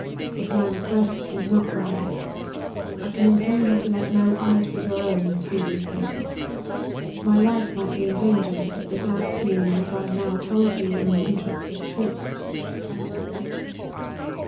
If my request is not granted, I can only implore you to let no eyes but your own see these pages. My life might be in danger if the blacks knew what I have now told you, in the interests of truth."